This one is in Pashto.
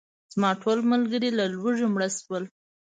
زما ټول ملګري له لوږې مړه شول.